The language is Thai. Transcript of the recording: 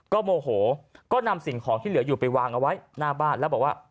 โมโหก็นำสิ่งของที่เหลืออยู่ไปวางเอาไว้หน้าบ้านแล้วบอกว่า